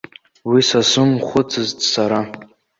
Уи сазымхәыццызт сара.